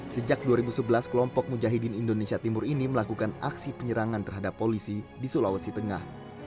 sejak dua ribu sebelas kelompok mujahidin indonesia timur ini melakukan aksi penyerangan terhadap polisi di sulawesi tengah